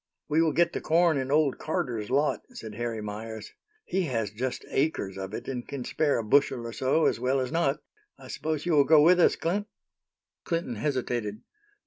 "We will get the corn in old Carter's lot," said Harry Meyers. "He has just acres of it, and can spare a bushel or so as well as not. I suppose you will go with us, Clint?" Clinton hesitated.